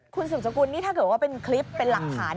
คุณศุภกุลถ้าเกิดเป็นคลิปเป็นหลักฐาน